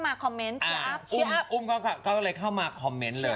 แล้วเกี่ยวกับคุณอุ้มก็คือคุณอุ้มเข้ามาคอมเมนต์